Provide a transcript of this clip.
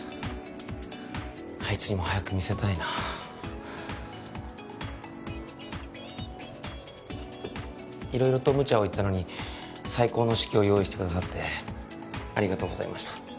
あいつにも早く見せたいな色々とむちゃを言ったのに最高の式を用意してくださってありがとうございました